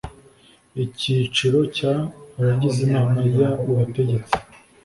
Icyiciro cya Abagize Inama y Ubutegetsi